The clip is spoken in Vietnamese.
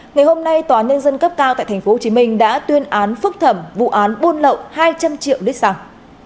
ngày hôm nay tòa nhân dân cấp cao tại tp hcm đã tuyên án phúc thẩm vụ án buôn lậu hai trăm linh triệu lít xăng